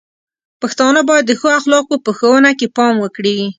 پښتانه بايد د ښو اخلاقو په ښوونه کې پام وکړي.